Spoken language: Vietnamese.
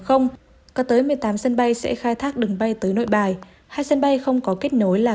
không có tới một mươi tám sân bay sẽ khai thác đường bay tới nội bài hai sân bay không có kết nối là